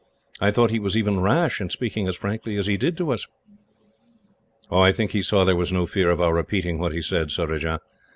I thought that he was even rash, in speaking as frankly as he did to us." "I think he saw there was no fear of our repeating what he said, Surajah.